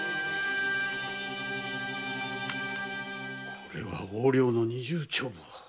これは横領の二重帳簿だ。